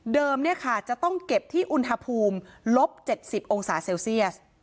จะต้องเก็บที่อุณหภูมิลบ๗๐องศาเซลเซียส